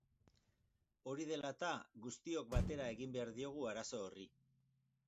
Hori dela eta, guztiok batera egin behar diogu arazo horri.